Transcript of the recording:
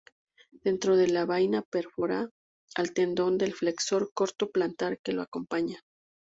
Dentro de la vaina perfora al tendón del flexor corto plantar que le acompaña.